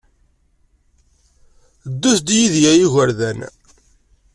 Ddut-d yid-i a igerdan.